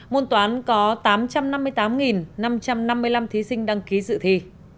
môn toán có tám trăm năm mươi tám năm trăm năm mươi năm thí sinh đăng ký dự thi